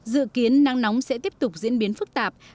dự kiến nắng nóng sẽ tiếp tục diễn biến phức tạp